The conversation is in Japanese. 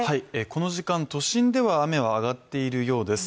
この時間、都心では雨はあがっているようです。